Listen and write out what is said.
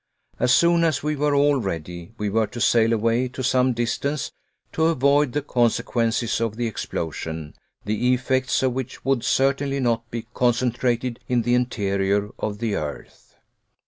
As soon as we were all ready, we were to sail away to some distance to avoid the consequences of the explosion, the effects of which would certainly not be concentrated in the interior of the earth.